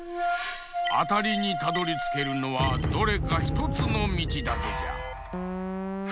あたりにたどりつけるのはどれかひとつのみちだけじゃ。